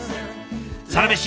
「サラメシ」